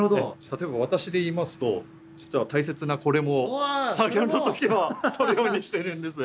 例えば私で言いますと実は大切なこれも作業の時はとるようにしてるんです。